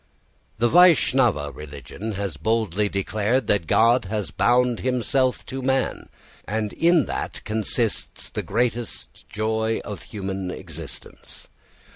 The Vaishnava religion has boldly declared that God has bound himself to man, and in that consists the greatest glory of human existence.